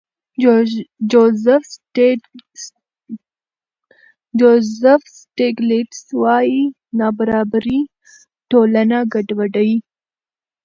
جوزف سټېګلېټز وايي نابرابري ټولنه ګډوډوي.